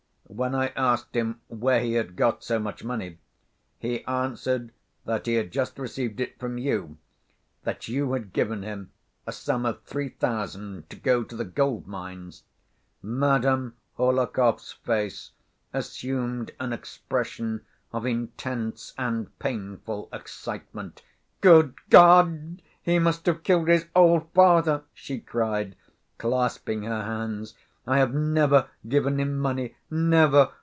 When I asked him where he had got so much money, he answered that he had just received it from you, that you had given him a sum of three thousand to go to the gold‐mines...." Madame Hohlakov's face assumed an expression of intense and painful excitement. "Good God! He must have killed his old father!" she cried, clasping her hands. "I have never given him money, never!